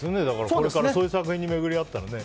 これからそういう作品に巡り合ったらね。